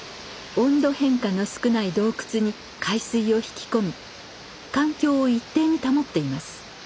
温度変化の少ない洞窟に海水を引き込み環境を一定に保っています。